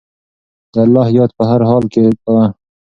د الله یاد په هر حال کې کوه.